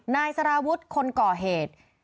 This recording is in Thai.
นายสารวุฒิคนก่อเหตุ